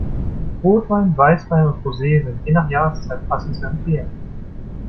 Rotwein, Weißwein und Rosé sind je nach Jahreszeit passend zu empfehlen.